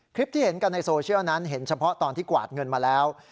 คลิปที่เห็นกันในโซเชียลนั้นเห็นเฉพาะตอนที่กวาดเงินมาแล้ว